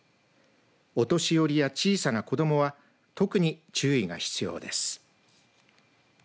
お年寄りや小さな子どもは特に注意が必要です。